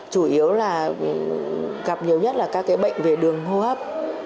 chủ yếu là gặp nhiều nhất là các bệnh về đường hô hấp